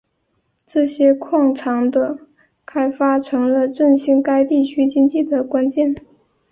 这些矿藏的开发成了振兴该地区经济的关键。